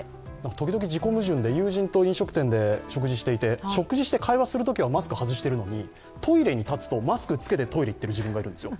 時々、自己矛盾で、有人と飲食店で食事していて食事して会話するときはマスク外しているのに、トイレに立つと、マスクをつけてトイレに行っている自分がいるんですよ。